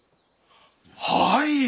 はい！